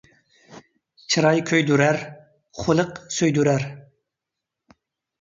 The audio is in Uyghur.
چىراي كۆيدۈرەر، خۇلق سۆيدۈرەر